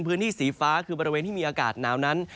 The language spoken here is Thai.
พื้นที่สีฟ้าคือบริเวณที่มีอากาศหนาวนั้น